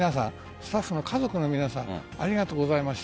スタッフの家族の皆さんありがとうございました。